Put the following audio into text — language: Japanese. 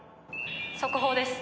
「速報です。